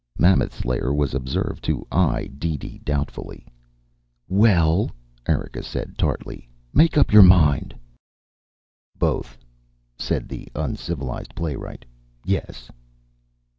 Mammoth Slayer was observed to eye DeeDee doubtfully. "Well," Erika said tartly, "make up your mind." "Both," said the uncivilized playwright. "Yes."